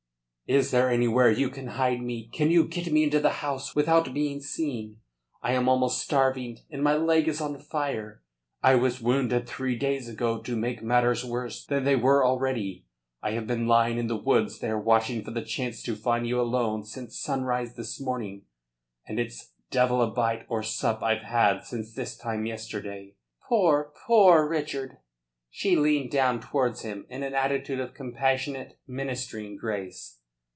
"Is there anywhere you can hide me? Can you get me into the house without being seen? I am almost starving, and my leg is on fire. I was wounded three days ago to make matters worse than they were already. I have been lying in the woods there watching for the chance to find you alone since sunrise this morning, and it's devil a bite or sup I've had since this time yesterday." "Poor, poor Richard!" She leaned down towards him in an attitude of compassionate, ministering grace.